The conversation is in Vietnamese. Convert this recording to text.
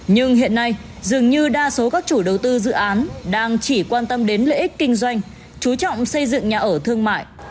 nhưng hiện nay dường như đa số các chủ đầu tư dự án đang chỉ quan tâm đến lợi ích kinh doanh chú trọng xây dựng nhà ở thương mại